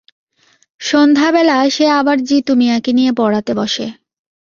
সন্ধ্যাবেলা সে আবার জিতু মিয়াকে নিয়ে পড়াতে বসে।